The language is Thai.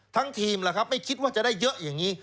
ทีมล่ะครับไม่คิดว่าจะได้เยอะอย่างนี้